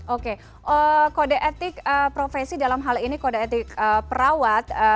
oke kode etik profesi dalam hal ini kode etik perawat